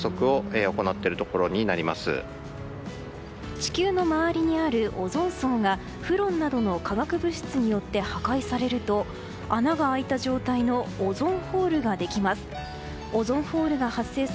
地球の周りにあるオゾン層がフロンなどの化学物質によって破壊されると、穴が開いた状態のオゾンホールができます。